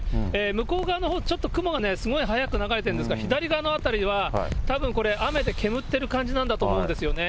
向こう側のほう、ちょっと雲がすごく速く流れてるんですが、左側の辺りはたぶんこれ、雨でけぶってる感じなんだと思うんですよね。